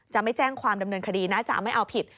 จะไม่แจ้งความดำเนินคดีนะจะเอาไม่เอาผิด